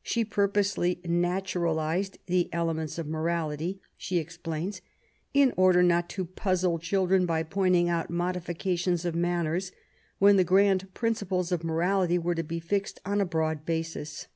She purposely naturalized " the Elements of Morality, she ex plains, in order not to ^^ puzzle children by pointing out modifications of manners, when the grand principles of morality were to be fixed on a broad basis.''